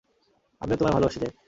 আমিও তোমায় ভালোবাসি, জ্যাক।